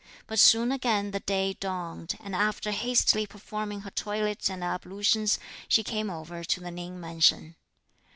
But soon again the day dawned, and after hastily performing her toilette and ablutions, she came over to the Ning Mansion.